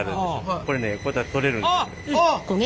これねこうやったら取れる。